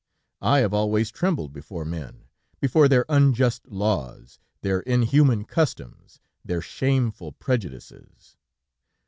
"'I have always trembled before men, before their unjust laws, their inhuman customs, their shameful prejudices.